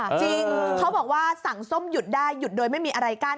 จริงเขาบอกว่าสั่งส้มหยุดได้หยุดโดยไม่มีอะไรกั้น